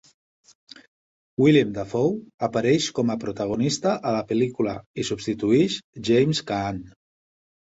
Willem Dafoe apareix com a protagonista a la pel·lícula i substitueix James Caan.